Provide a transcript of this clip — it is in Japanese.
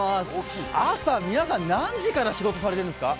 皆さん、朝、何時から仕事されてるんですか？